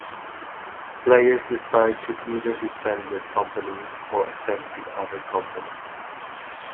Players decide to either defend their company or attack the other company.